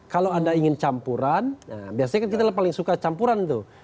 kalau anda ingin campuran biasanya kan kita paling suka campuran tuh